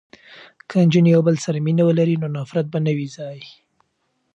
که نجونې یو بل سره مینه ولري نو نفرت به نه وي ځای.